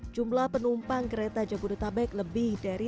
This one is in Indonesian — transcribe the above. jumlah penumpang kereta jakarta yang berada di daerah daerah jakarta